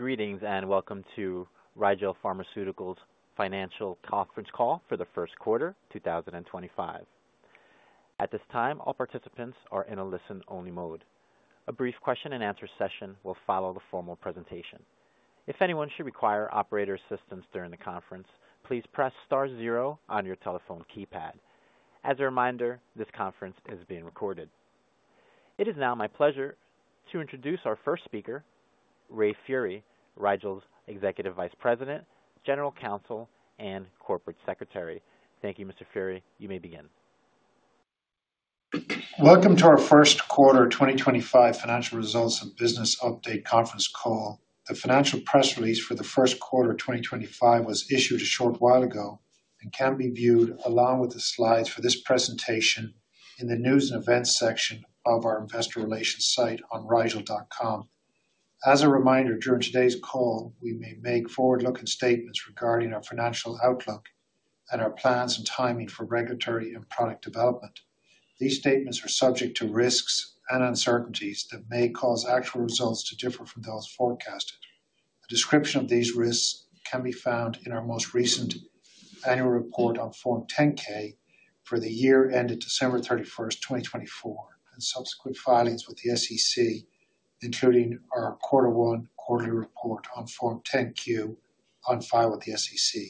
Greetings and welcome to Rigel Pharmaceuticals' financial conference call for the first quarter, 2025. At this time, all participants are in a listen-only mode. A brief question-and-answer session will follow the formal presentation. If anyone should require operator assistance during the conference, please press star zero on your telephone keypad. As a reminder, this conference is being recorded. It is now my pleasure to introduce our first speaker, Ray Furey, Rigel's Executive Vice President, General Counsel, and Corporate Secretary. Thank you, Mr. Furey. You may begin. Welcome to our first quarter 2025 financial results and business update conference call. The financial press release for the first quarter 2025 was issued a short while ago and can be viewed along with the slides for this presentation in the news and events section of our investor relations site on rigel.com. As a reminder, during today's call, we may make forward-looking statements regarding our financial outlook and our plans and timing for regulatory and product development. These statements are subject to risks and uncertainties that may cause actual results to differ from those forecasted. A description of these risks can be found in our most recent annual report on Form 10-K for the year ended December 31st, 2024, and subsequent filings with the SEC, including our quarter one quarterly report on Form 10-Q on file with the SEC.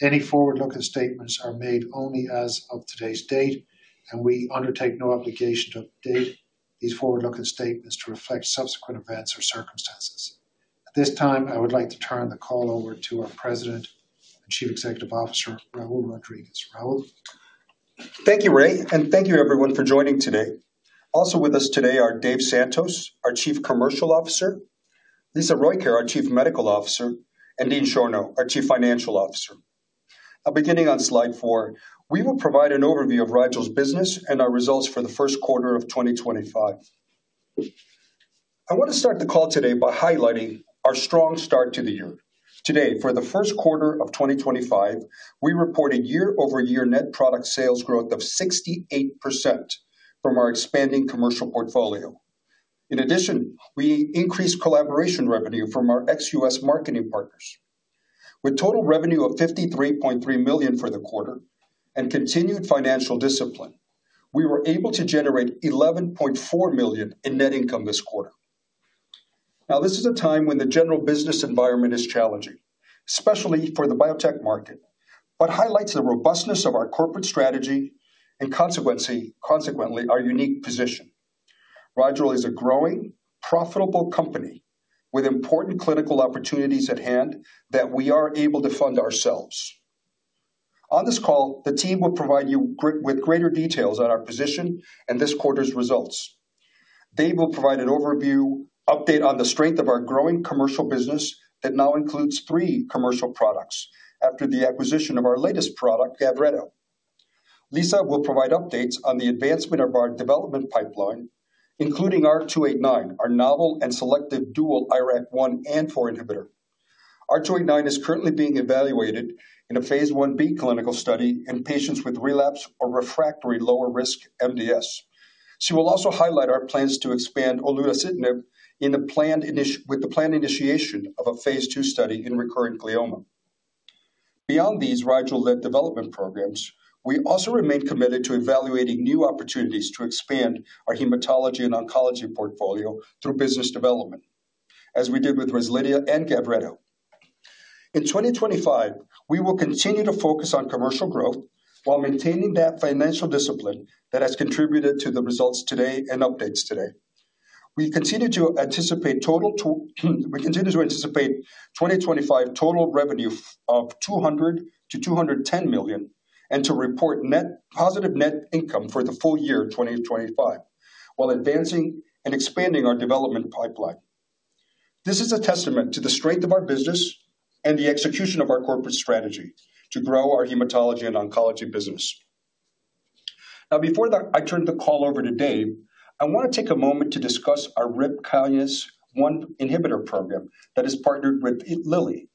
Any forward-looking statements are made only as of today's date, and we undertake no obligation to update these forward-looking statements to reflect subsequent events or circumstances. At this time, I would like to turn the call over to our President and Chief Executive Officer, Raul Rodriguez. Raul. Thank you, Ray, and thank you, everyone, for joining today. Also with us today are Dave Santos, our Chief Commercial Officer; Lisa Rojkjaer, our Chief Medical Officer; and Dean Schorno, our Chief Financial Officer. Now, beginning on slide four, we will provide an overview of Rigel's business and our results for the first quarter of 2025. I want to start the call today by highlighting our strong start to the year. Today, for the first quarter of 2025, we reported year-over-year net product sales growth of 68% from our expanding commercial portfolio. In addition, we increased collaboration revenue from our ex-U.S. marketing partners. With total revenue of $53.3 million for the quarter and continued financial discipline, we were able to generate $11.4 million in net income this quarter. Now, this is a time when the general business environment is challenging, especially for the biotech market, but highlights the robustness of our corporate strategy and, consequently, our unique position. Rigel is a growing, profitable company with important clinical opportunities at hand that we are able to fund ourselves. On this call, the team will provide you with greater details on our position and this quarter's results. Dave will provide an overview update on the strength of our growing commercial business that now includes three commercial products after the acquisition of our latest product, GAVRETO. Lisa will provide updates on the advancement of our development pipeline, including R289, our novel and selective dual IRAK1 and IRAK4 inhibitor. R289 is currently being evaluated in a phase Ib clinical study in patients with relapsed or refractory lower risk MDS. She will also highlight our plans to expand olutasidenib with the planned initiation of a phase II study in recurrent glioma. Beyond these Rigel-led development programs, we also remain committed to evaluating new opportunities to expand our hematology and oncology portfolio through business development, as we did with REZLIDIA and GAVRETO. In 2025, we will continue to focus on commercial growth while maintaining that financial discipline that has contributed to the results today and updates today. We continue to anticipate total 2025 revenue of $200-$210 million and to report net positive net income for the full year 2025 while advancing and expanding our development pipeline. This is a testament to the strength of our business and the execution of our corporate strategy to grow our hematology and oncology business. Now, before I turn the call over to Dave, I want to take a moment to discuss our RIP Kinase 1 inhibitor program that is partnered with Lilly.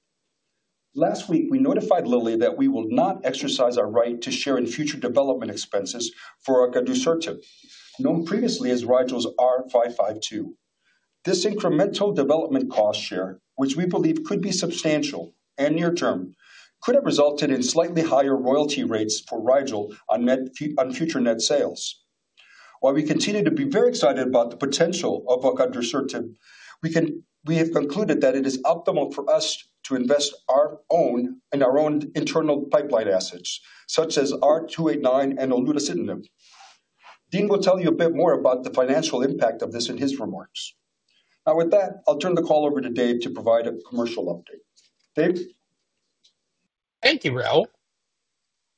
Last week, we notified Lilly that we will not exercise our right to share in future development expenses for our gadocitinib, known previously as Rigel's R552. This incremental development cost share, which we believe could be substantial and near-term, could have resulted in slightly higher royalty rates for Rigel on future net sales. While we continue to be very excited about the potential of our gadocitinib, we have concluded that it is optimal for us to invest in our own internal pipeline assets, such as R289 and olutasidenib. Dean will tell you a bit more about the financial impact of this in his remarks. Now, with that, I'll turn the call over to Dave to provide a commercial update. Dave? Thank you, Raul.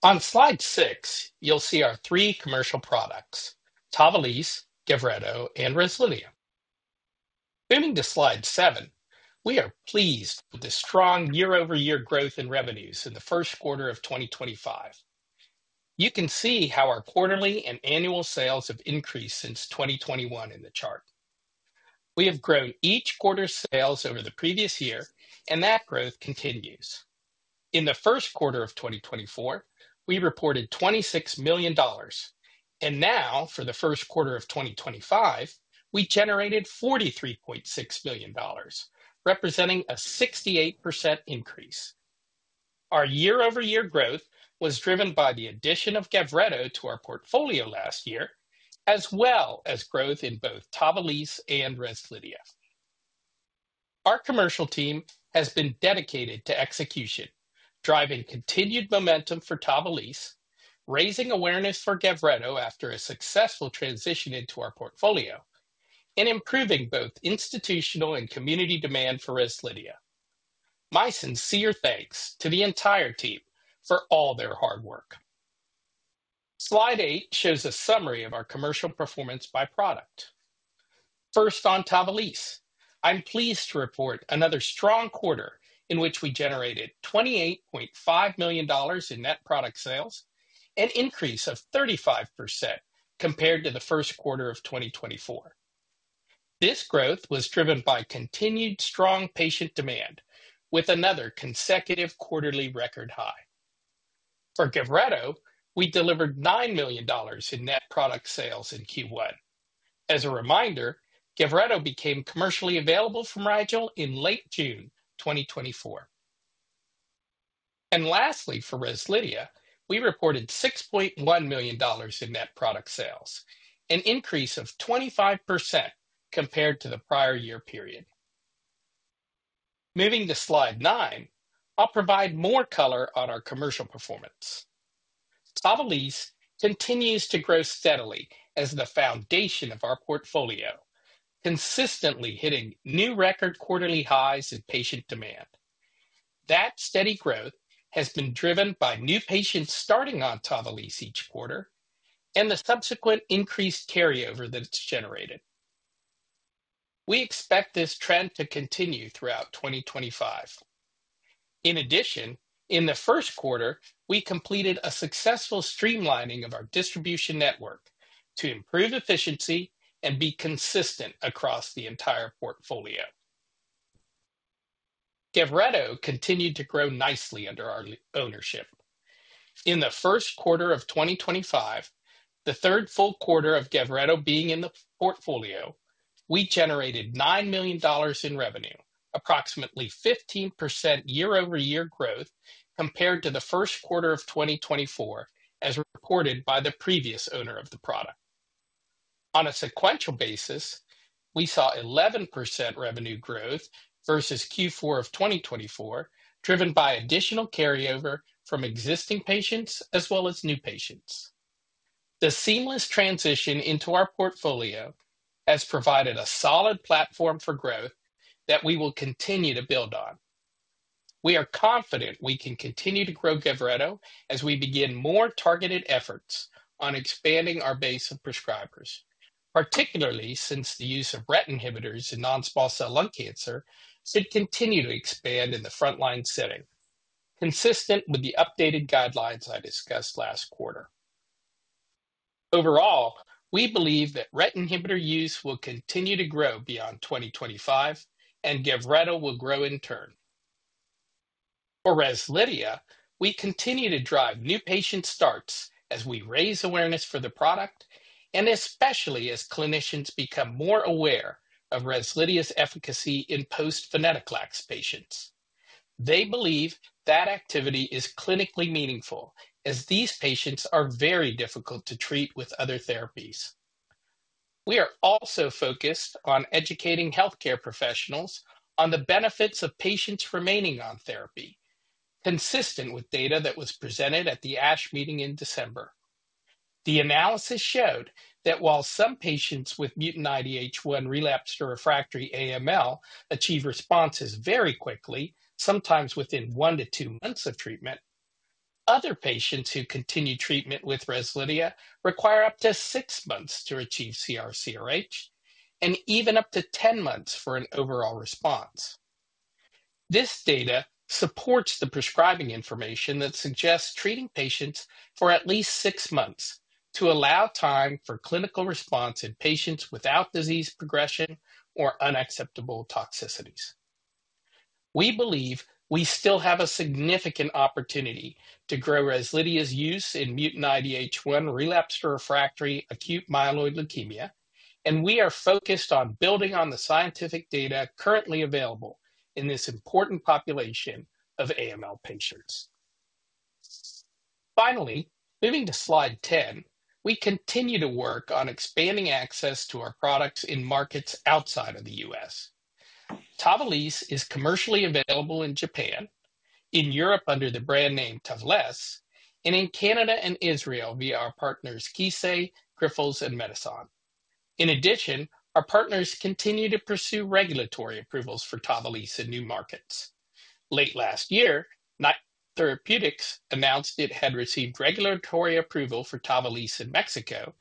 On slide six, you'll see our three commercial products: TAVALISSE, GAVRETO, and REZLIDIA. Moving to slide seven, we are pleased with the strong year-over-year growth in revenues in the first quarter of 2025. You can see how our quarterly and annual sales have increased since 2021 in the chart. We have grown each quarter's sales over the previous year, and that growth continues. In the first quarter of 2024, we reported $26 million, and now for the first quarter of 2025, we generated $43.6 million, representing a 68% increase. Our year-over-year growth was driven by the addition of GAVRETO to our portfolio last year, as well as growth in both TAVALISSE and REZLIDIA. Our commercial team has been dedicated to execution, driving continued momentum for TAVALISSE, raising awareness for GAVRETO after a successful transition into our portfolio, and improving both institutional and community demand for REZLIDIA. My sincere thanks to the entire team for all their hard work. Slide eight shows a summary of our commercial performance by product. First, on TAVALISSE, I'm pleased to report another strong quarter in which we generated $28.5 million in net product sales, an increase of 35% compared to the first quarter of 2024. This growth was driven by continued strong patient demand, with another consecutive quarterly record high. For GAVRETO, we delivered $9 million in net product sales in Q1. As a reminder, GAVRETO became commercially available from Rigel in late June 2024. Lastly, for REZLIDIA, we reported $6.1 million in net product sales, an increase of 25% compared to the prior year period. Moving to slide nine, I'll provide more color on our commercial performance. TAVALISSE continues to grow steadily as the foundation of our portfolio, consistently hitting new record quarterly highs in patient demand. That steady growth has been driven by new patients starting on TAVALISSE each quarter and the subsequent increased carryover that it's generated. We expect this trend to continue throughout 2025. In addition, in the first quarter, we completed a successful streamlining of our distribution network to improve efficiency and be consistent across the entire portfolio. GAVRETO continued to grow nicely under our ownership. In the first quarter of 2025, the third full quarter of GAVRETO being in the portfolio, we generated $9 million in revenue, approximately 15% year-over-year growth compared to the first quarter of 2024, as reported by the previous owner of the product. On a sequential basis, we saw 11% revenue growth versus Q4 of 2024, driven by additional carryover from existing patients as well as new patients. The seamless transition into our portfolio has provided a solid platform for growth that we will continue to build on. We are confident we can continue to grow GAVRETO as we begin more targeted efforts on expanding our base of prescribers, particularly since the use of RET inhibitors in non-small cell lung cancer should continue to expand in the frontline setting, consistent with the updated guidelines I discussed last quarter. Overall, we believe that RET inhibitor use will continue to grow beyond 2025, and GAVRETO will grow in turn. For REZLIDIA, we continue to drive new patient starts as we raise awareness for the product, and especially as clinicians become more aware of REZLIDIA's efficacy in post-venetoclax patients. They believe that activity is clinically meaningful, as these patients are very difficult to treat with other therapies. We are also focused on educating healthcare professionals on the benefits of patients remaining on therapy, consistent with data that was presented at the ASH meeting in December. The analysis showed that while some patients with mutant IDH1 relapsed or refractory AML achieve responses very quickly, sometimes within one to two months of treatment, other patients who continue treatment with REZLIDIA require up to six months to achieve CRH and even up to 10 months for an overall response. This data supports the prescribing information that suggests treating patients for at least six months to allow time for clinical response in patients without disease progression or unacceptable toxicities. We believe we still have a significant opportunity to grow REZLIDIA's use in mutant IDH1 relapsed or refractory acute myeloid leukemia, and we are focused on building on the scientific data currently available in this important population of AML patients. Finally, moving to slide 10, we continue to work on expanding access to our products in markets outside of the U.S. TAVALISSE is commercially available in Japan, in Europe under the brand name TAVALISSE, and in Canada and Israel via our partners Kyowa Kirin, Grifols, and Medison. In addition, our partners continue to pursue regulatory approvals for TAVALISSE in new markets. Late last year, Knight Therapeutics announced it had received regulatory approval for TAVALISSE in Mexico,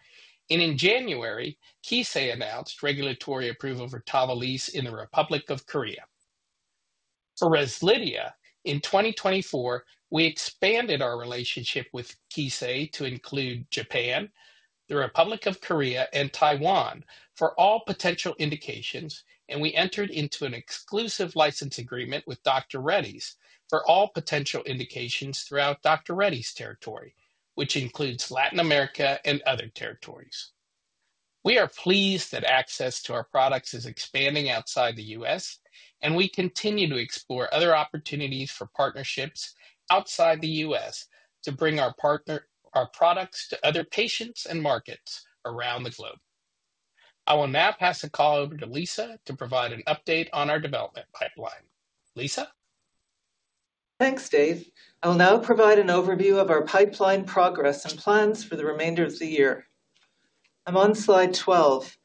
and in January, Kyowa Kirin announced regulatory approval for TAVALISSE in the Republic of Korea. For REZLIDIA, in 2024, we expanded our relationship with Kyowa Kirin to include Japan, the Republic of Korea, and Taiwan for all potential indications, and we entered into an exclusive license agreement with Dr. Reddy's for all potential indications throughout Dr. Reddy's territory, which includes Latin America and other territories. We are pleased that access to our products is expanding outside the U.S., and we continue to explore other opportunities for partnerships outside the U.S. to bring our products to other patients and markets around the globe. I will now pass the call over to Lisa to provide an update on our development pipeline. Lisa. Thanks, Dave. I will now provide an overview of our pipeline progress and plans for the remainder of the year. I'm on slide 12.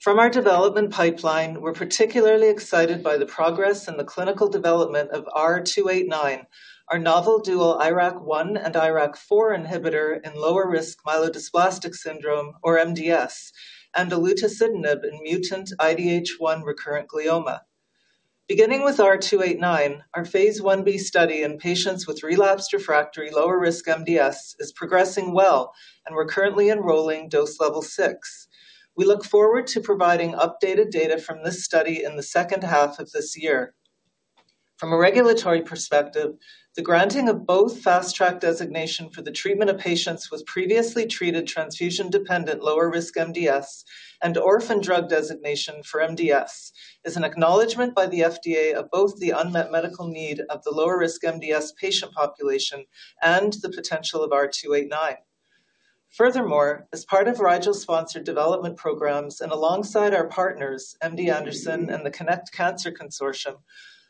From our development pipeline, we're particularly excited by the progress in the clinical development of R289, our novel dual IRAK1 and IRAK4 inhibitor in lower risk myelodysplastic syndrome, or MDS, and olutasidenib in mutant IDH1 recurrent glioma. Beginning with R289, our phase Ib study in patients with relapsed refractory lower risk MDS is progressing well, and we're currently enrolling dose level six. We look forward to providing updated data from this study in the second half of this year. From a regulatory perspective, the granting of both fast-track designation for the treatment of patients with previously treated transfusion-dependent lower risk MDS and orphan drug designation for MDS is an acknowledgment by the FDA of both the unmet medical need of the lower risk MDS patient population and the potential of R289. Furthermore, as part of Rigel-sponsored development programs and alongside our partners, MD Anderson and the Connect Cancer Consortium,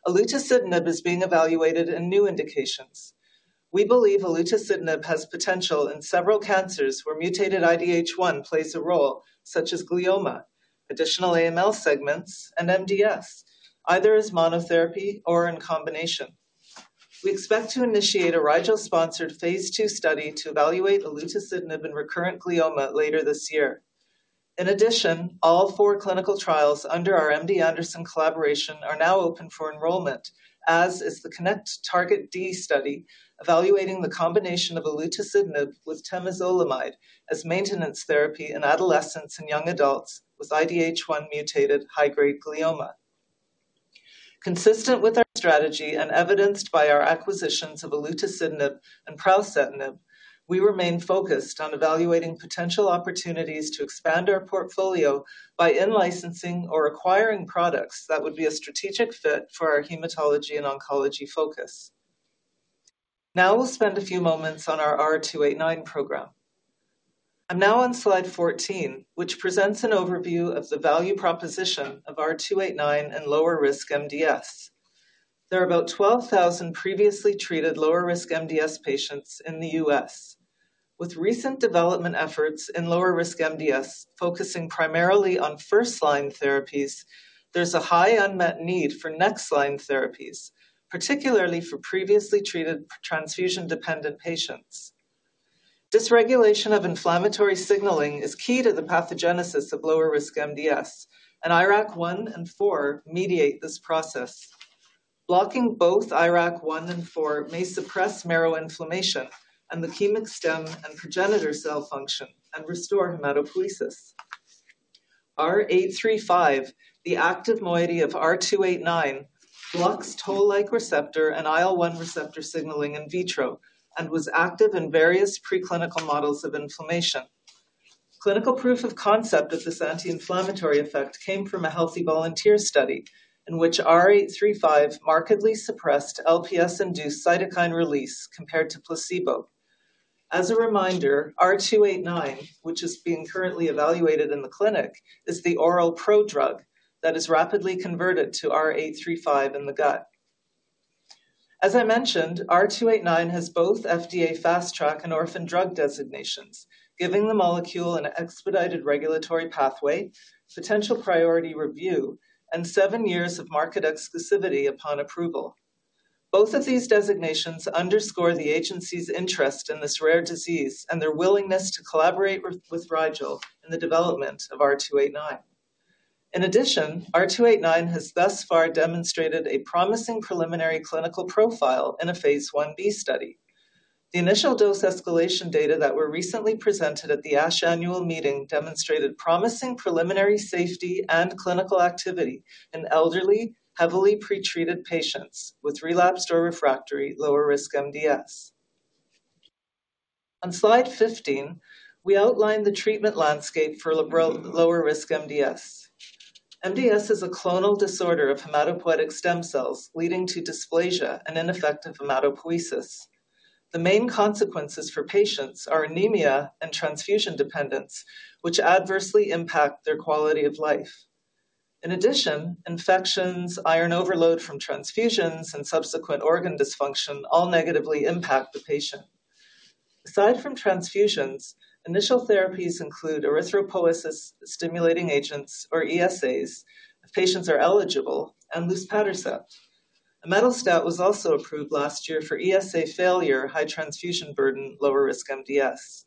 olutasidenib is being evaluated in new indications. We believe olutasidenib has potential in several cancers where mutated IDH1 plays a role, such as glioma, additional AML segments, and MDS, either as monotherapy or in combination. We expect to initiate a Rigel-sponsored phase II study to evaluate olutasidenib in recurrent glioma later this year. In addition, all four clinical trials under our MD Anderson collaboration are now open for enrollment, as is the Connect Target D study evaluating the combination of olutasidenib with temozolomide as maintenance therapy in adolescents and young adults with IDH1 mutated high-grade glioma. Consistent with our strategy and evidenced by our acquisitions of olutasidenib and pravocitinib, we remain focused on evaluating potential opportunities to expand our portfolio by in-licensing or acquiring products that would be a strategic fit for our hematology and oncology focus. Now we'll spend a few moments on our R289 program. I'm now on slide 14, which presents an overview of the value proposition of R289 and lower risk MDS. There are about 12,000 previously treated lower risk MDS patients in the U.S. With recent development efforts in lower risk MDS focusing primarily on first-line therapies, there's a high unmet need for next-line therapies, particularly for previously treated transfusion-dependent patients. Dysregulation of inflammatory signaling is key to the pathogenesis of lower risk MDS, and IRAK1 and IRAK4 mediate this process. Blocking both IRAK1 and IRAK4 may suppress marrow inflammation and leukemic stem and progenitor cell function and restore hematopoiesis. R835, the active moiety of R289, blocks toll-like receptor and IL-1 receptor signaling in vitro and was active in various preclinical models of inflammation. Clinical proof of concept of this anti-inflammatory effect came from a healthy volunteer study in which R835 markedly suppressed LPS-induced cytokine release compared to placebo. As a reminder, R289, which is being currently evaluated in the clinic, is the oral prodrug that is rapidly converted to R835 in the gut. As I mentioned, R289 has both FDA fast-track and orphan drug designations, giving the molecule an expedited regulatory pathway, potential priority review, and seven years of market exclusivity upon approval. Both of these designations underscore the agency's interest in this rare disease and their willingness to collaborate with Rigel in the development of R289. In addition, R289 has thus far demonstrated a promising preliminary clinical profile in a phase Ib study. The initial dose escalation data that were recently presented at the ASH annual meeting demonstrated promising preliminary safety and clinical activity in elderly, heavily pretreated patients with relapsed or refractory lower risk MDS. On slide 15, we outline the treatment landscape for lower risk MDS. MDS is a clonal disorder of hematopoietic stem cells leading to dysplasia and ineffective hematopoiesis. The main consequences for patients are anemia and transfusion dependence, which adversely impact their quality of life. In addition, infections, iron overload from transfusions, and subsequent organ dysfunction all negatively impact the patient. Aside from transfusions, initial therapies include erythropoiesis stimulating agents, or ESAs, if patients are eligible, and luspatercept. Emetostat was also approved last year for ESA failure, high transfusion burden, lower risk MDS.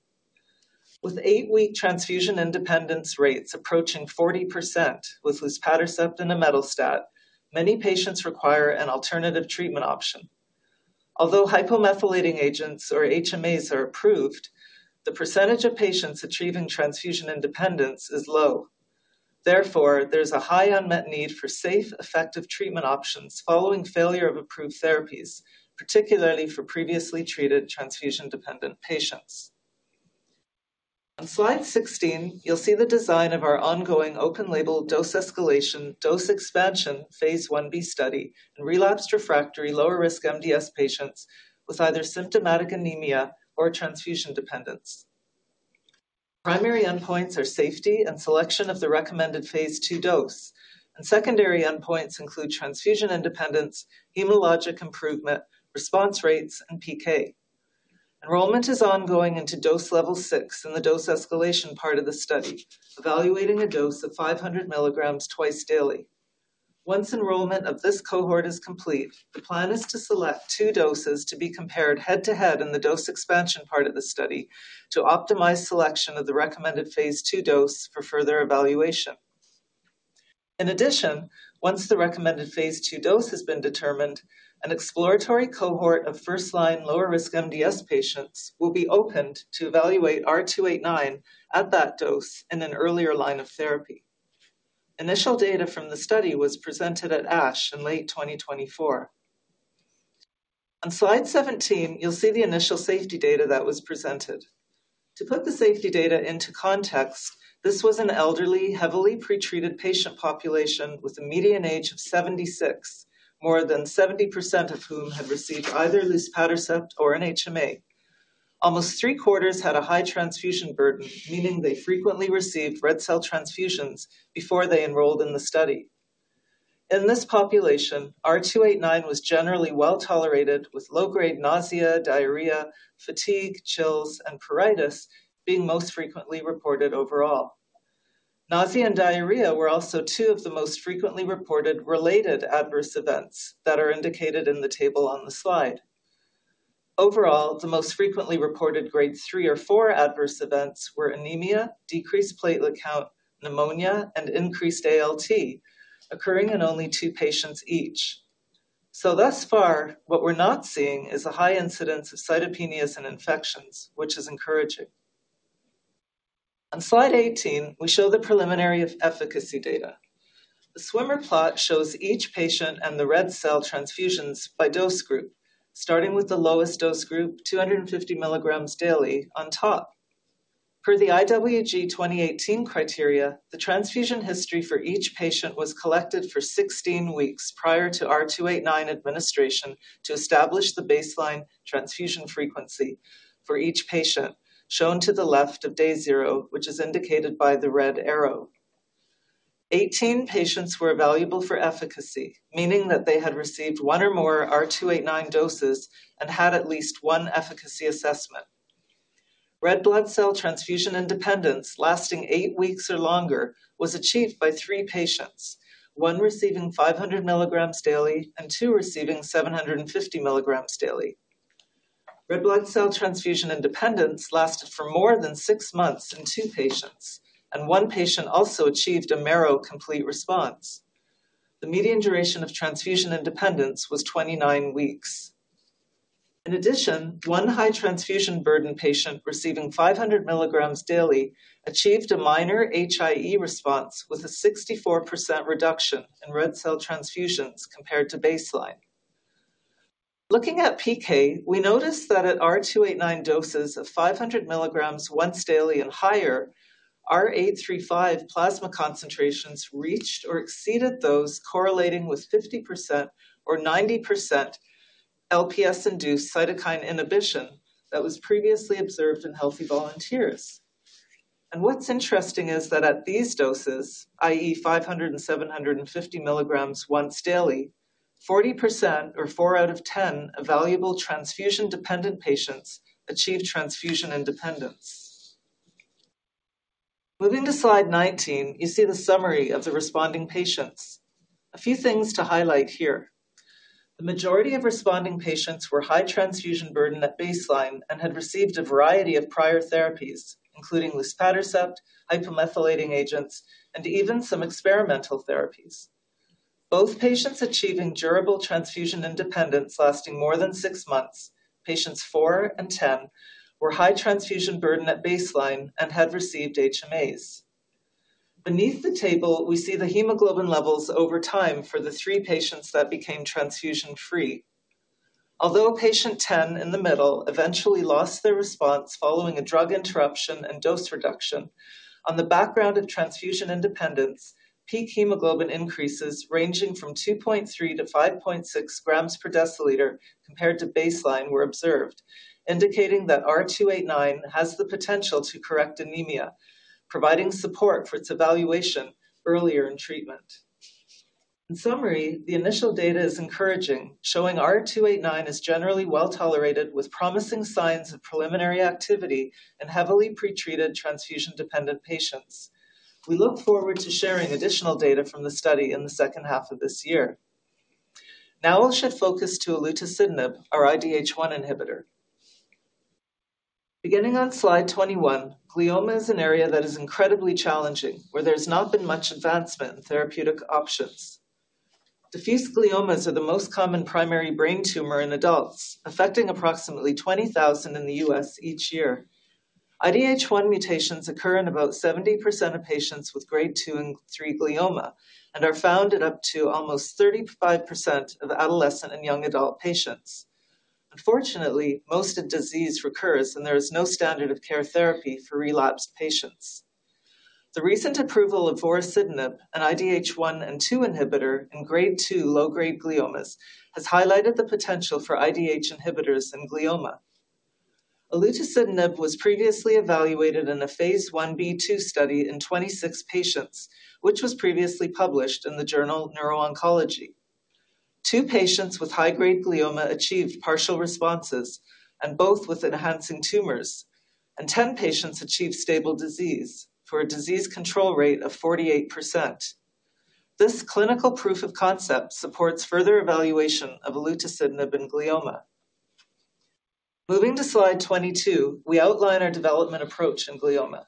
With eight-week transfusion independence rates approaching 40% with luspatercept and emetostat, many patients require an alternative treatment option. Although hypomethylating agents, or HMAs, are approved, the percentage of patients achieving transfusion independence is low. Therefore, there's a high unmet need for safe, effective treatment options following failure of approved therapies, particularly for previously treated transfusion-dependent patients. On slide 16, you'll see the design of our ongoing open-label dose escalation, dose expansion, phase I b study in relapsed refractory lower risk MDS patients with either symptomatic anemia or transfusion dependence. Primary endpoints are safety and selection of the recommended phase II dose, and secondary endpoints include transfusion independence, hematologic improvement, response rates, and PK. Enrollment is ongoing into dose level six in the dose escalation part of the study, evaluating a dose of 500 mg twice daily. Once enrollment of this cohort is complete, the plan is to select two doses to be compared head-to-head in the dose expansion part of the study to optimize selection of the recommended phase II dose for further evaluation. In addition, once the recommended phase II dose has been determined, an exploratory cohort of first-line lower risk MDS patients will be opened to evaluate R289 at that dose in an earlier line of therapy. Initial data from the study was presented at ASH in late 2024. On slide 17, you'll see the initial safety data that was presented. To put the safety data into context, this was an elderly, heavily pretreated patient population with a median age of 76, more than 70% of whom had received either luspatercept or an HMA. Almost three-quarters had a high transfusion burden, meaning they frequently received red cell transfusions before they enrolled in the study. In this population, R289 was generally well tolerated, with low-grade nausea, diarrhea, fatigue, chills, and pruritus being most frequently reported overall. Nausea and diarrhea were also two of the most frequently reported related adverse events that are indicated in the table on the slide. Overall, the most frequently reported grade three or four adverse events were anemia, decreased platelet count, pneumonia, and increased ALT, occurring in only two patients each. Thus far, what we're not seeing is a high incidence of cytopenias and infections, which is encouraging. On slide 18, we show the preliminary efficacy data. The swimmer plot shows each patient and the red cell transfusions by dose group, starting with the lowest dose group, 250 mg daily, on top. Per the IWG 2018 criteria, the transfusion history for each patient was collected for 16 weeks prior to R289 administration to establish the baseline transfusion frequency for each patient, shown to the left of day zero, which is indicated by the red arrow. Eighteen patients were evaluable for efficacy, meaning that they had received one or more R289 doses and had at least one efficacy assessment. Red blood cell transfusion independence lasting eight weeks or longer was achieved by three patients, one receiving 500 mg daily and two receiving 750 mg daily. Red blood cell transfusion independence lasted for more than six months in two patients, and one patient also achieved a marrow complete response. The median duration of transfusion independence was 29 weeks. In addition, one high transfusion burden patient receiving 500 mg daily achieved a minor HIE response with a 64% reduction in red cell transfusions compared to baseline. Looking at PK, we noticed that at R289 doses of 500 mg once daily and higher, R835 plasma concentrations reached or exceeded those correlating with 50% or 90% LPS-induced cytokine inhibition that was previously observed in healthy volunteers. What's interesting is that at these doses, i.e., 500 mg and 750 mg once daily, 40% or 4 out of 10 evaluable transfusion-dependent patients achieved transfusion independence. Moving to slide 19, you see the summary of the responding patients. A few things to highlight here. The majority of responding patients were high transfusion burden at baseline and had received a variety of prior therapies, including luspatercept, hypomethylating agents, and even some experimental therapies. Both patients achieving durable transfusion independence lasting more than six months, patients four and 10, were high transfusion burden at baseline and had received HMAs. Beneath the table, we see the hemoglobin levels over time for the three patients that became transfusion-free. Although patient 10 in the middle eventually lost their response following a drug interruption and dose reduction, on the background of transfusion independence, peak hemoglobin increases ranging from 2.3 g -5.6 g per deciliter compared to baseline were observed, indicating that R289 has the potential to correct anemia, providing support for its evaluation earlier in treatment. In summary, the initial data is encouraging, showing R289 is generally well tolerated with promising signs of preliminary activity in heavily pretreated transfusion-dependent patients. We look forward to sharing additional data from the study in the second half of this year. Now we'll shift focus to olutasidenib, our IDH1 inhibitor. Beginning on slide 21, glioma is an area that is incredibly challenging, where there's not been much advancement in therapeutic options. Diffuse gliomas are the most common primary brain tumor in adults, affecting approximately 20,000 in the U.S. each year. IDH1 mutations occur in about 70% of patients with grade two and three glioma and are found in up to almost 35% of adolescent and young adult patients. Unfortunately, most of the disease recurs, and there is no standard of care therapy for relapsed patients. The recent approval of vorasidenib, an IDH1 and IDH2 inhibitor in grade two low-grade gliomas, has highlighted the potential for IDH inhibitors in glioma. Olutasidenib was previously evaluated in a phase Ib study in 26 patients, which was previously published in the journal Neuro-Oncology. Two patients with high-grade glioma achieved partial responses and both with enhancing tumors, and 10 patients achieved stable disease for a disease control rate of 48%. This clinical proof of concept supports further evaluation of olutasidenib in glioma. Moving to slide 22, we outline our development approach in glioma.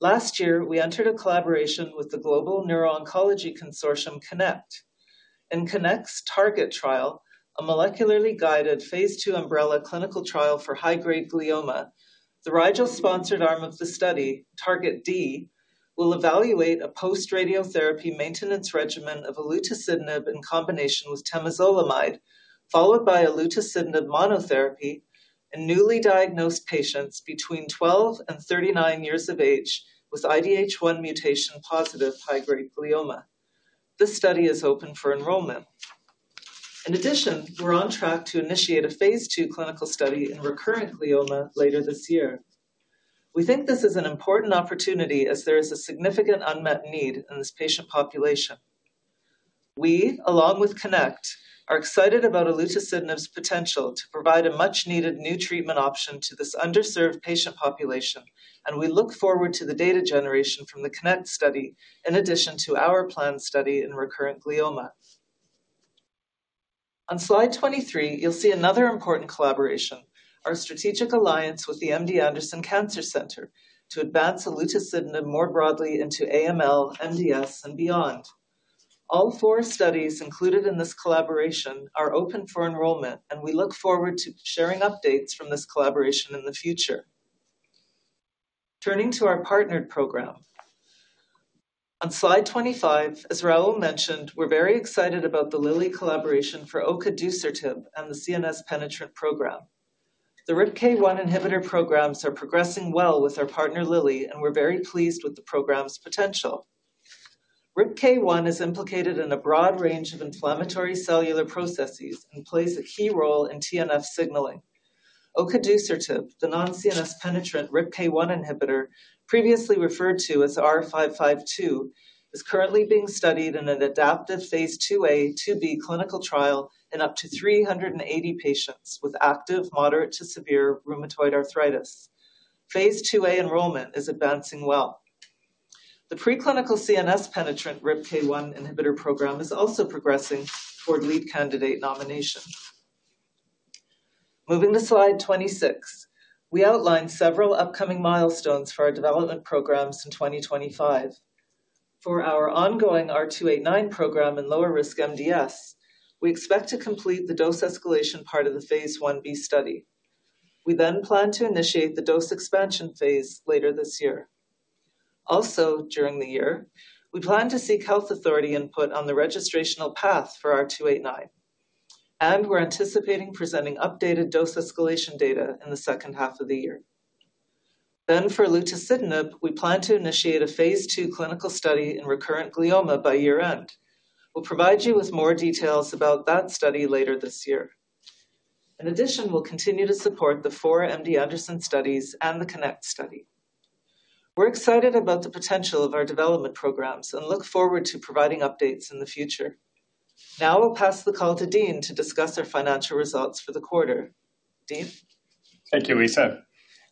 Last year, we entered a collaboration with the Global Neuro-Oncology Consortium Connect. In Connect's TarGeT trial, a molecularly guided phase II umbrella clinical trial for high-grade glioma, the Rigel-sponsored arm of the study, TARGET-D, will evaluate a post-radiotherapy maintenance regimen of olutasidenib in combination with temozolomide, followed by olutasidenib monotherapy in newly diagnosed patients between 12 and 39 years of age with IDH1 mutation positive high-grade glioma. This study is open for enrollment. In addition, we're on track to initiate a phase II clinical study in recurrent glioma later this year. We think this is an important opportunity as there is a significant unmet need in this patient population. We, along with Connect, are excited about olutasidenib's potential to provide a much-needed new treatment option to this underserved patient population, and we look forward to the data generation from the Connect study in addition to our planned study in recurrent glioma. On slide 23, you'll see another important collaboration, our strategic alliance with the MD Anderson Cancer Center to advance olutasidenib more broadly into AML, MDS, and beyond. All four studies included in this collaboration are open for enrollment, and we look forward to sharing updates from this collaboration in the future. Turning to our partnered program. On slide 25, as Raul mentioned, we're very excited about the Lilly collaboration for gadocitinib and the CNS penetrant program. The RIPK1 inhibitor programs are progressing well with our partner Lilly, and we're very pleased with the program's potential. RIPK1 is implicated in a broad range of inflammatory cellular processes and plays a key role in TNF signaling. Gadocitinib, the non-CNS penetrant RIPK1 inhibitor, previously referred to as R552, is currently being studied in an adaptive phase IIa, IIb clinical trial in up to 380 patients with active, moderate to severe rheumatoid arthritis. Phase IIa enrollment is advancing well. The preclinical CNS penetrant RIPK1 inhibitor program is also progressing toward lead candidate nomination. Moving to slide 26, we outline several upcoming milestones for our development programs in 2025. For our ongoing R289 program in lower risk MDS, we expect to complete the dose escalation part of the phase Ib study. We then plan to initiate the dose expansion phase later this year. Also, during the year, we plan to seek Health Authority input on the registrational path for R289, and we're anticipating presenting updated dose escalation data in the second half of the year. For olutasidenib, we plan to initiate a phase II clinical study in recurrent glioma by year-end. We'll provide you with more details about that study later this year. In addition, we'll continue to support the four MD Anderson studies and the Connect study. We're excited about the potential of our development programs and look forward to providing updates in the future. Now I'll pass the call to Dean to discuss our financial results for the quarter. Dean? Thank you, Lisa.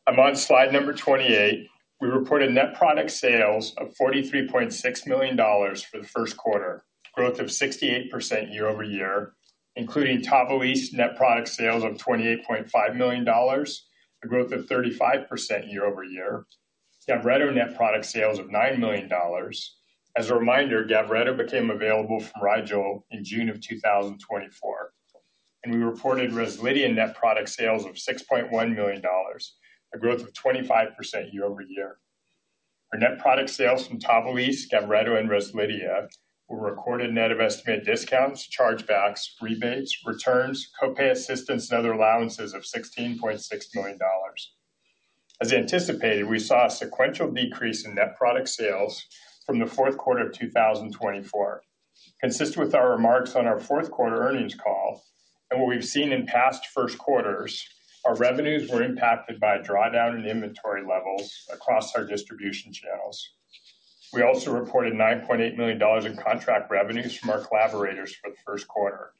On slide number 28, we reported net product sales of $43.6 million for the first quarter, growth of 68% year-over-year, including TAVALISSE net product sales of $28.5 million, a growth of 35% year-over-year, GAVRETO net product sales of $9 million. As a reminder, GAVRETO became available from Rigel in June of 2024, and we reported REZELDIA net product sales of $6.1 million, a growth of 25% year-over-year. Our net product sales from TAVALISSE, GAVRETO, and REZLIDIA were recorded net of estimated discounts, chargebacks, rebates, returns, copay assistance, and other allowances of $16.6 million. As anticipated, we saw a sequential decrease in net product sales from the fourth quarter of 2024. Consistent with our remarks on our fourth quarter earnings call and what we've seen in past first quarters, our revenues were impacted by drawdown in inventory levels across our distribution channels. We also reported $9.8 million in contract revenues from our collaborators for the first quarter,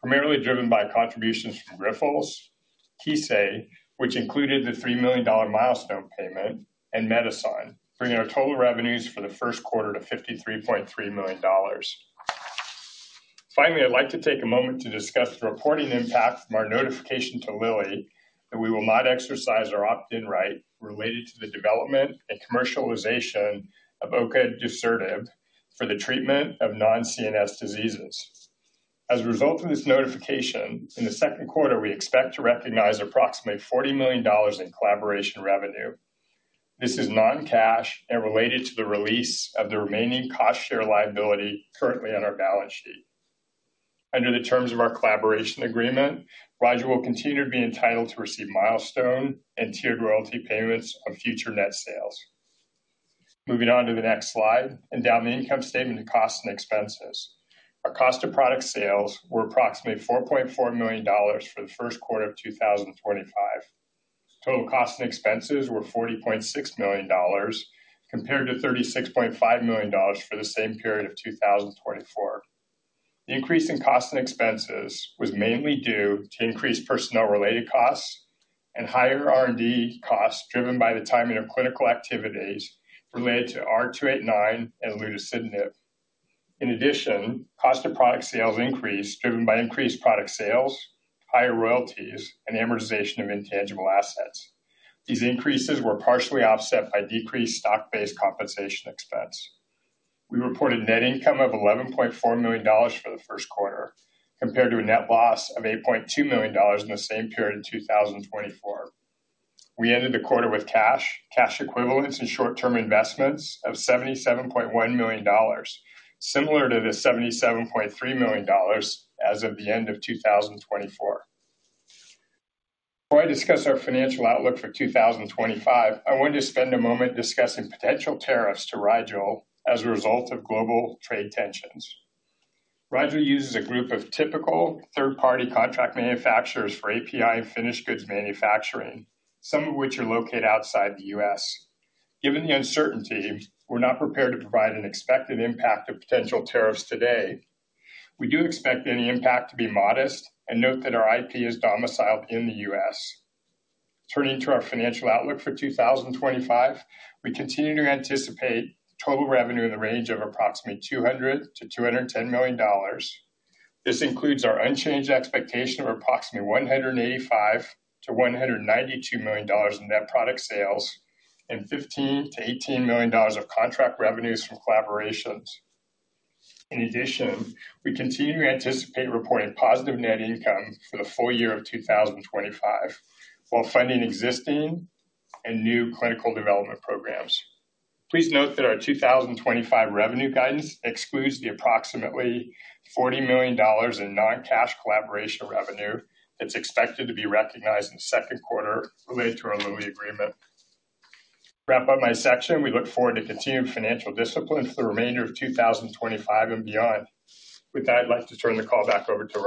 primarily driven by contributions from Grifols, Kyowa Kirin, which included the $3 million milestone payment, and Medison, bringing our total revenues for the first quarter to $53.3 million. Finally, I'd like to take a moment to discuss the reporting impact from our notification to Lilly that we will not exercise our opt-in right related to the development and commercialization of gadocitinib for the treatment of non-CNS diseases. As a result of this notification, in the second quarter, we expect to recognize approximately $40 million in collaboration revenue. This is non-cash and related to the release of the remaining cost share liability currently on our balance sheet. Under the terms of our collaboration agreement, Rigel will continue to be entitled to receive milestone and tiered royalty payments on future net sales. Moving on to the next slide, and down the income statement to costs and expenses. Our cost of product sales were approximately $4.4 million for the first quarter of 2025. Total costs and expenses were $40.6 million compared to $36.5 million for the same period of 2024. The increase in costs and expenses was mainly due to increased personnel-related costs and higher R&D costs driven by the timing of clinical activities related to R289 and olutasidenib. In addition, cost of product sales increased driven by increased product sales, higher royalties, and amortization of intangible assets. These increases were partially offset by decreased stock-based compensation expense. We reported net income of $11.4 million for the first quarter compared to a net loss of $8.2 million in the same period in 2024. We ended the quarter with cash, cash equivalents, and short-term investments of $77.1 million, similar to the $77.3 million as of the end of 2024. Before I discuss our financial outlook for 2025, I wanted to spend a moment discussing potential tariffs to Rigel as a result of global trade tensions. Rigel uses a group of typical third-party contract manufacturers for API and finished goods manufacturing, some of which are located outside the U.S. Given the uncertainty, we're not prepared to provide an expected impact of potential tariffs today. We do expect any impact to be modest and note that our IP is domiciled in the U.S. Turning to our financial outlook for 2025, we continue to anticipate total revenue in the range of approximately $200 million-$210 million. This includes our unchanged expectation of approximately $185 million-$192 million in net product sales and $15 million-$18 million of contract revenues from collaborations. In addition, we continue to anticipate reporting positive net income for the full year of 2025 while funding existing and new clinical development programs. Please note that our 2025 revenue guidance excludes the approximately $40 million in non-cash collaboration revenue that's expected to be recognized in the second quarter related to our Lilly agreement. To wrap up my section, we look forward to continued financial discipline for the remainder of 2025 and beyond. With that, I'd like to turn the call back over to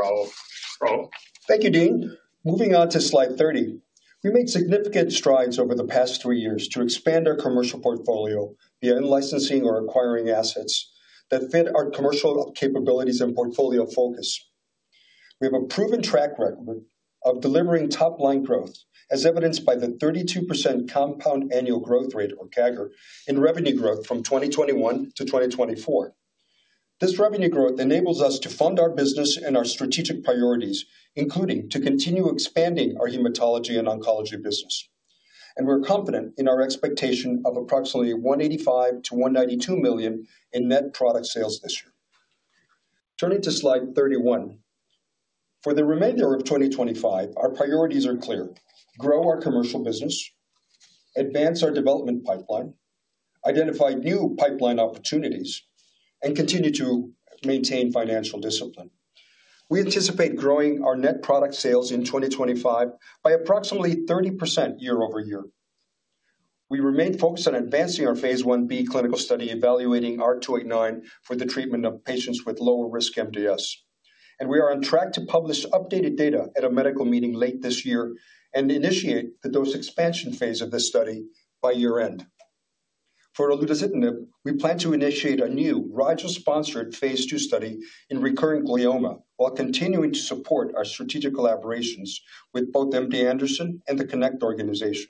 Raul. Thank you, Dean. Moving on to slide 30, we made significant strides over the past three years to expand our commercial portfolio via unlicensing or acquiring assets that fit our commercial capabilities and portfolio focus. We have a proven track record of delivering top-line growth, as evidenced by the 32% compound annual growth rate, or CAGR, in revenue growth from 2021 to 2024. This revenue growth enables us to fund our business and our strategic priorities, including to continue expanding our hematology and oncology business. We are confident in our expectation of approximately $185 million-$192 million in net product sales this year. Turning to slide 31, for the remainder of 2025, our priorities are clear: grow our commercial business, advance our development pipeline, identify new pipeline opportunities, and continue to maintain financial discipline. We anticipate growing our net product sales in 2025 by approximately 30% year-over-year. We remain focused on advancing our phase Ib clinical study evaluating R289 for the treatment of patients with lower risk MDS. We are on track to publish updated data at a medical meeting late this year and initiate the dose expansion phase of this study by year-end. For olutasidenib, we plan to initiate a new Rigel-sponsored phase II study in recurrent glioma while continuing to support our strategic collaborations with both MD Anderson and the Connect Cancer Consortium.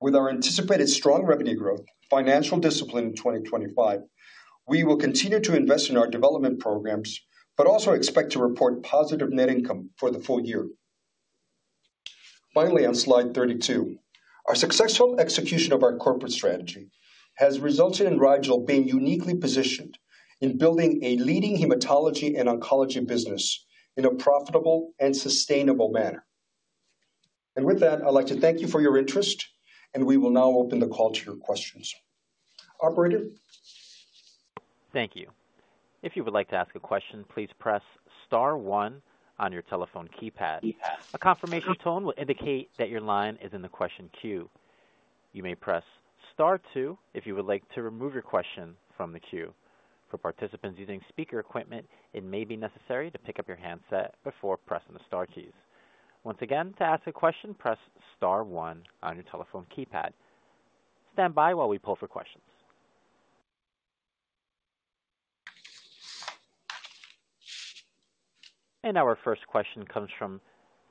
With our anticipated strong revenue growth and financial discipline in 2025, we will continue to invest in our development programs, but also expect to report positive net income for the full year. Finally, on slide 32, our successful execution of our corporate strategy has resulted in Rigel being uniquely positioned in building a leading hematology and oncology business in a profitable and sustainable manner. I would like to thank you for your interest, and we will now open the call to your questions. Operator? Thank you. If you would like to ask a question, please press star one on your telephone keypad. A confirmation tone will indicate that your line is in the question queue. You may press star two if you would like to remove your question from the queue. For participants using speaker equipment, it may be necessary to pick up your handset before pressing the star keys. Once again, to ask a question, press star one on your telephone keypad. Stand by while we pull for questions. Our first question comes from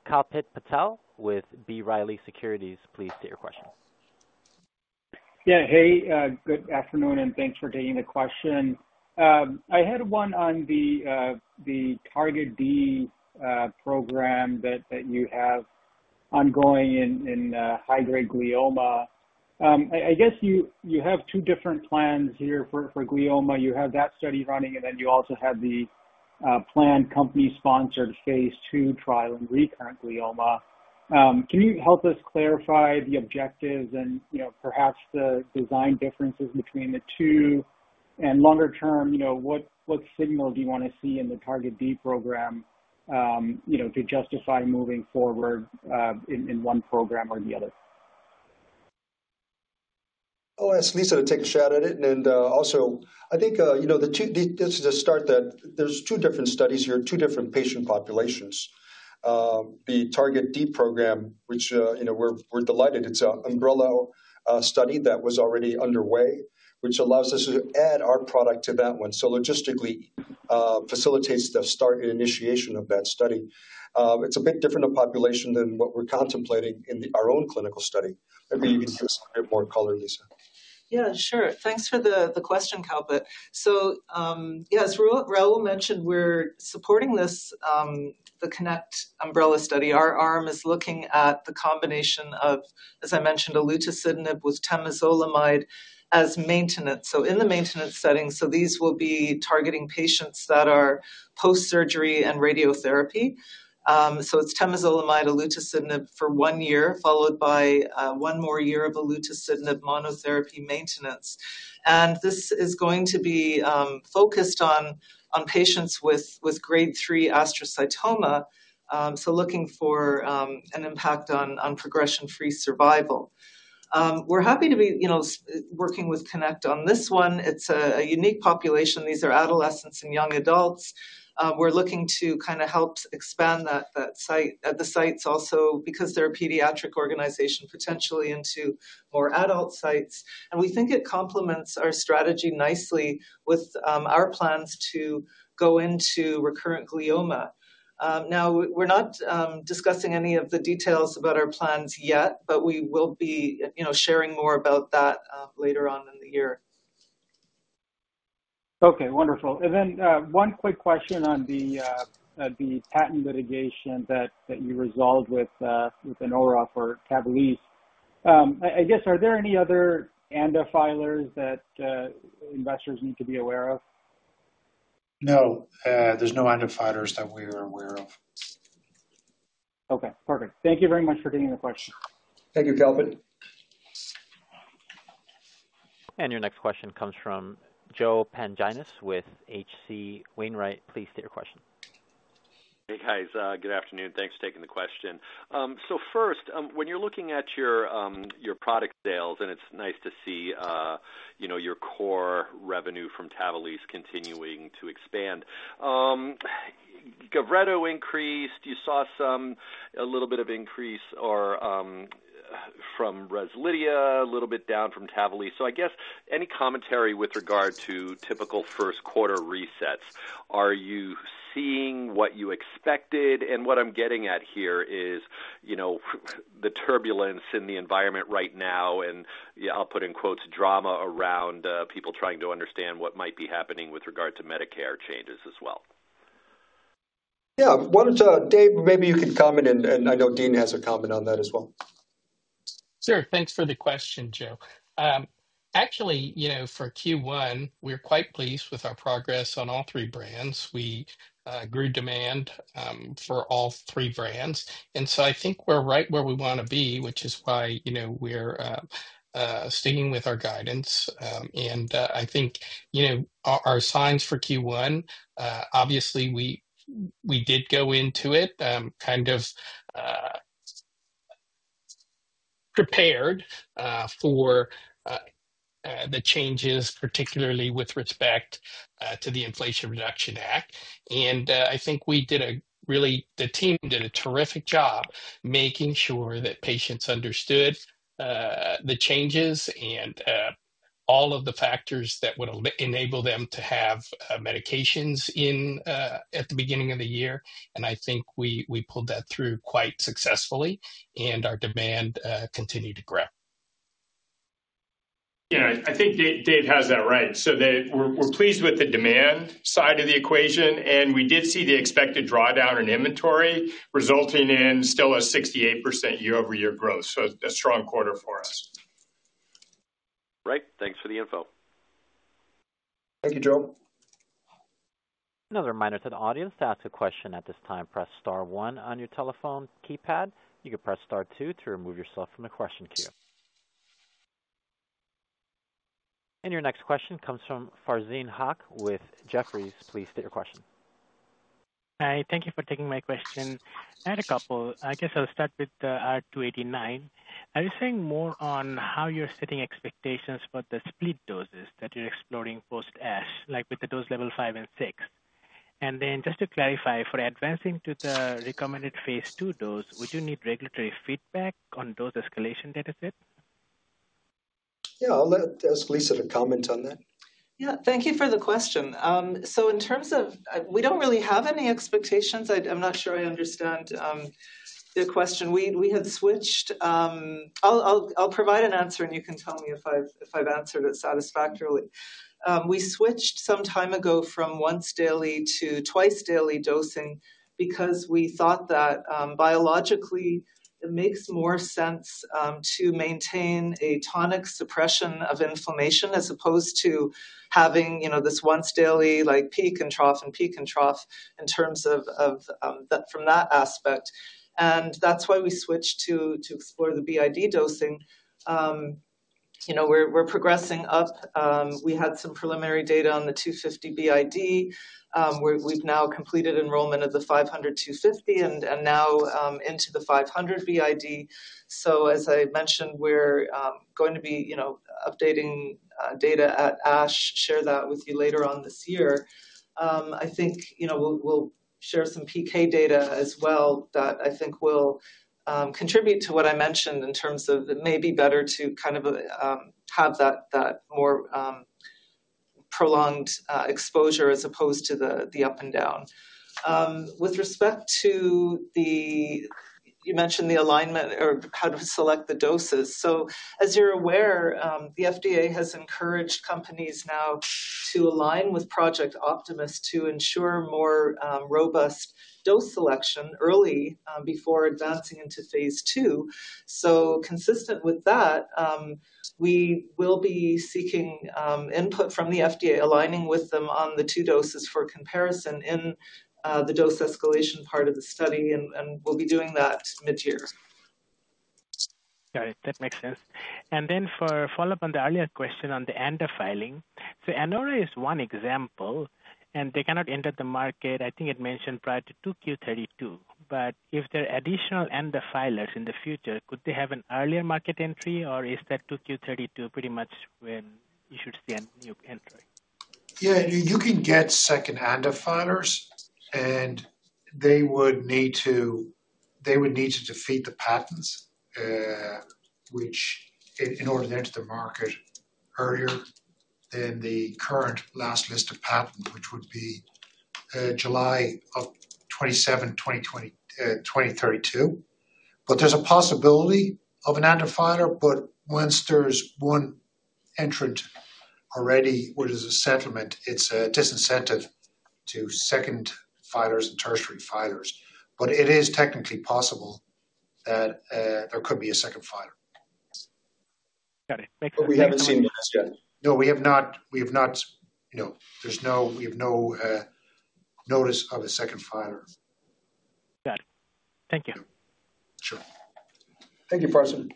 Kalpit Patel with B. Riley Securities. Please state your question. Yeah, hey, good afternoon, and thanks for taking the question. I had one on the Target-D program that you have ongoing in high-grade glioma. I guess you have two different plans here for glioma. You have that study running, and then you also have the planned company-sponsored phase II trial in recurrent glioma. Can you help us clarify the objectives and perhaps the design differences between the two? Longer term, what signal do you want to see in the Target-D program to justify moving forward in one program or the other? I'll ask Lisa to take a shot at it. I think just to start that there's two different studies here, two different patient populations. The Target-D program, which we're delighted, it's an umbrella study that was already underway, which allows us to add our product to that one. Logistically, it facilitates the start and initiation of that study. It's a bit different of population than what we're contemplating in our own clinical study. Maybe you can give us a bit more color, Lisa. Yeah, sure. Thanks for the question, Kalpit. Yeah, as Raul mentioned, we're supporting the Connect umbrella study. Our arm is looking at the combination of, as I mentioned, olutasidenib with temozolomide as maintenance. In the maintenance setting, these will be targeting patients that are post-surgery and radiotherapy. It is temozolomide and olutasidenib for one year, followed by one more year of olutasidenib monotherapy maintenance. This is going to be focused on patients with grade three astrocytoma, looking for an impact on progression-free survival. We're happy to be working with Connect on this one. It's a unique population. These are adolescents and young adults. We're looking to kind of help expand the sites also because they're a pediatric organization, potentially into more adult sites. We think it complements our strategy nicely with our plans to go into recurrent glioma. Now, we're not discussing any of the details about our plans yet, but we will be sharing more about that later on in the year. Okay, wonderful. And then one quick question on the patent litigation that you resolved with Anora or TAVALISSE. I guess, are there any other antifilers that investors need to be aware of? No, there's no antifilers that we are aware of. Okay, perfect. Thank you very much for taking the question. Thank you, Kalpit. And your next question comes from Joe Pantginis with H.C. Wainwright. Please state your question. Hey, guys. Good afternoon. Thanks for taking the question. First, when you're looking at your product sales, and it's nice to see your core revenue from TAVALISSE continuing to expand, GAVRETO increased. You saw a little bit of increase from REZLIDIA, a little bit down from TAVALISSE. I guess any commentary with regard to typical first quarter resets? Are you seeing what you expected? What I'm getting at here is the turbulence in the environment right now and, I'll put in quotes, "drama" around people trying to understand what might be happening with regard to Medicare changes as well. Yeah, David, maybe you could comment, and I know Dean has a comment on that as well. Sure. Thanks for the question, Joe. Actually, for Q1, we're quite pleased with our progress on all three brands. We grew demand for all three brands. I think we're right where we want to be, which is why we're sticking with our guidance. I think our signs for Q1, obviously, we did go into it kind of prepared for the changes, particularly with respect to the Inflation Reduction Act. I think we did a really, the team did a terrific job making sure that patients understood the changes and all of the factors that would enable them to have medications at the beginning of the year. I think we pulled that through quite successfully, and our demand continued to grow. Yeah, I think Dave has that right. We are pleased with the demand side of the equation, and we did see the expected drawdown in inventory resulting in still a 68% year-over-year growth. A strong quarter for us. Great. Thanks for the info. Thank you, Joe. Another reminder to the audience to ask a question at this time. Press star one on your telephone keypad. You can press star two to remove yourself from the question queue. Your next question comes from Farzin Haque with Jefferies. Please state your question. Hi, thank you for taking my question. I had a couple. I guess I'll start with R289. Are you saying more on how you're setting expectations for the split doses that you're exploring post-S, like with the dose level five and six? And then just to clarify, for advancing to the recommended phase II dose, would you need regulatory feedback on dose escalation data set? Yeah, I'll ask Lisa to comment on that. Yeah, thank you for the question. So in terms of we don't really have any expectations. I'm not sure I understand the question. We had switched I'll provide an answer, and you can tell me if I've answered it satisfactorily. We switched some time ago from once daily to twice daily dosing because we thought that biologically, it makes more sense to maintain a tonic suppression of inflammation as opposed to having this once daily like peak and trough and peak and trough in terms of from that aspect. That is why we switched to explore the BID dosing. We're progressing up. We had some preliminary data on the 250 BID. We've now completed enrollment of the 500, 250, and now into the 500 BID. As I mentioned, we're going to be updating data at ASH, share that with you later on this year. I think we'll share some PK data as well that I think will contribute to what I mentioned in terms of it may be better to kind of have that more prolonged exposure as opposed to the up and down. With respect to the you mentioned the alignment or how to select the doses. As you're aware, the FDA has encouraged companies now to align with Project Optimus to ensure more robust dose selection early before advancing into phase II. Consistent with that, we will be seeking input from the FDA, aligning with them on the two doses for comparison in the dose escalation part of the study, and we'll be doing that mid-year. Got it. That makes sense. For follow-up on the earlier question on the antifiling, Anora is one example, and they cannot enter the market. I think it mentioned prior to 2Q 2032. If there are additional antifilers in the future, could they have an earlier market entry, or is that 2Q 2032 pretty much when you should see a new entry? Yeah, you can get second antifilers, and they would need to defeat the patents, which in order to enter the market earlier than the current last list of patents, which would be July of 27th, 2032. There is a possibility of an antifiler, but once there is one entrant already where there is a settlement, it is a disincentive to second filers and tertiary filers. It is technically possible that there could be a second filer. Got it. We have not seen one as yet. No, we have not. There is no, we have no notice of a second filer. Got it. Thank you. Sure. Thank you, Farzin.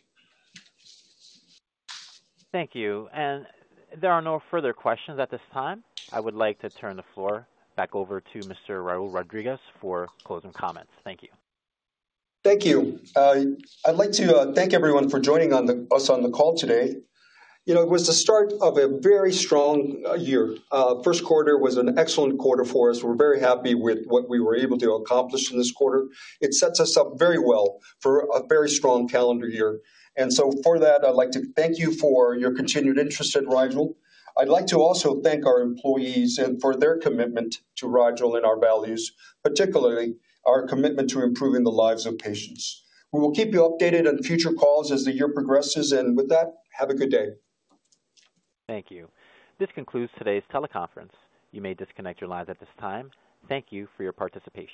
Thank you. There are no further questions at this time. I would like to turn the floor back over to Mr. Raul Rodriguez for closing comments. Thank you. Thank you. I'd like to thank everyone for joining us on the call today. It was the start of a very strong year. First quarter was an excellent quarter for us. We're very happy with what we were able to accomplish in this quarter. It sets us up very well for a very strong calendar year. For that, I'd like to thank you for your continued interest in Rigel. I'd like to also thank our employees for their commitment to Rigel and our values, particularly our commitment to improving the lives of patients. We will keep you updated on future calls as the year progresses. With that, have a good day. Thank you. This concludes today's teleconference. You may disconnect your lines at this time. Thank you for your participation.